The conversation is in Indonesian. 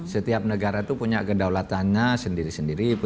setiap negara itu punya kedaulatannya sendiri sendiri